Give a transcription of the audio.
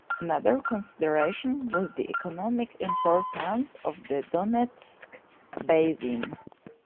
Another consideration was the economic importance of the Donetsk basin.